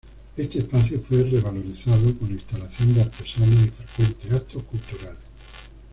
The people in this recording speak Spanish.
Este espacio fue revalorizado con la instalación de artesanos y frecuentes actos culturales.